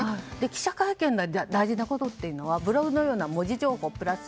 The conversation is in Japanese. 記者会見で大事なことはブログのような文字情報プラス